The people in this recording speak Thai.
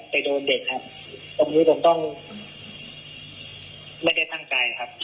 โดนเด็กครับตรงนี้ผมต้องไม่ได้ตั้งใจครับ